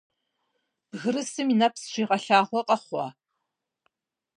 Бгырысым и нэпс щигъэлъагъуэ къэхъуа?